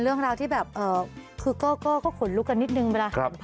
เรื่องราวนี้ก็ขนลุกกันนิดนึงนะครับ